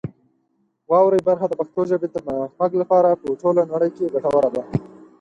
واورئ برخه د پښتو ژبې د پرمختګ لپاره په ټوله نړۍ کې ګټوره ده.